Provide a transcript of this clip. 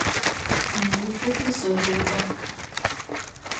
Nūlyku pi syrūba.